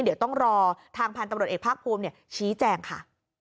เดี๋ยวต้องรอทางพันธุ์ตำรวจเอกภาคภูมิชี้แจงค่ะ